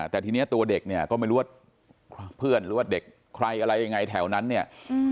แต่ทีนี้ตัวเด็กเนี่ยก็ไม่รู้ว่าเพื่อนหรือว่าเด็กใครอะไรยังไงแถวนั้นเนี่ย